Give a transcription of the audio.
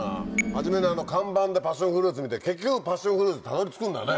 はじめにあの看板でパッションフルーツ見て結局パッションフルーツたどり着くんだね。